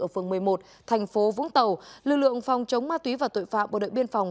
ở phường một mươi một thành phố vũng tàu lực lượng phòng chống ma túy và tội phạm bộ đội biên phòng